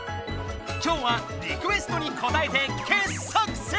今日はリクエストにこたえて傑作選！